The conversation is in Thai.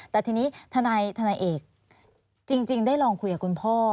แต่ทีนี้ทนายเอกจริงได้ลองคุยกับคุณพ่อ